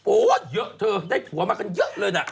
โอ๊ยเยอะเธอได้ถั่วมากันเยอะเลยน่ะ